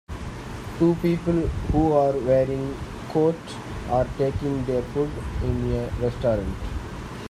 Two people who are wearing coat are taking their food in a restaurant.